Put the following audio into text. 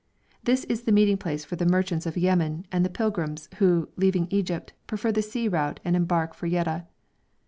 This is the meeting place for the merchants of Yemen and the pilgrims, who, leaving Egypt, prefer the sea route and embark for Yedda.